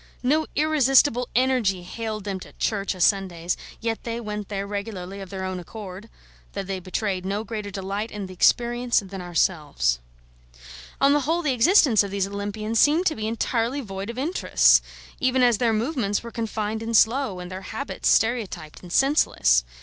No irresistible Energy haled them to church o' Sundays; yet they went there regularly of their own accord, though they betrayed no greater delight in the experience than ourselves. On the whole, the existence of these Olympians seemed to be entirely void of interests, even as their movements were confined and slow, and their habits stereotyped and senseless.